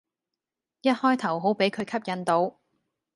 一開頭好俾佢吸引到